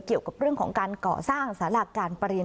เกี่ยวกับเรื่องของการก่อสร้างสาราการประเรียน